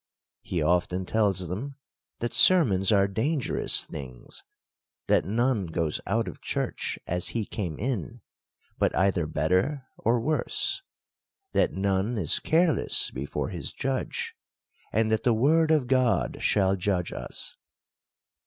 He often tells them, that sermons are dangerous things ; that none goes out of church as he came in, but either better or worse ; that none is care less before his Judge ; and that the word of God shall judge us.